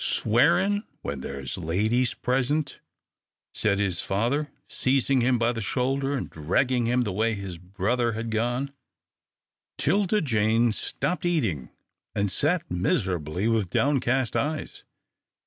"Swearin' when there is ladies present," said his father, seizing him by the shoulder, and dragging him the way his brother had gone. 'Tilda Jane stopped eating, and sat miserably with downcast eyes.